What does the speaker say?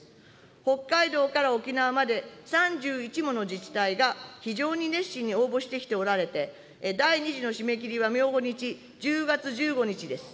北海道から沖縄まで、３１もの自治体が非常に熱心に応募してきておられて、第２次の締め切りは明後日、１０月１５日です。